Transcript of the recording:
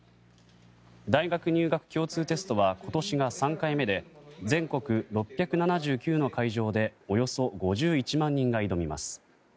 大学入学共通テストは今年が３回目で全国６７９の会場でおよそ５１万人が挑みます。